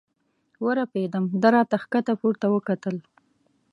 ورپېدم، ده را ته ښکته پورته وکتل.